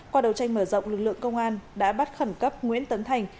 qua đầu tranh mở rộng lực lượng công an đã bắt khẩn cấp nguyễn tấn thành